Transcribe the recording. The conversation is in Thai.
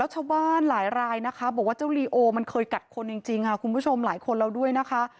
ชาวบ้านหลายรายนะคะบอกว่าเจ้าลีโอมันเคยกัดคนจริงคุณผู้ชมหลายคนแล้วด้วยนะคะ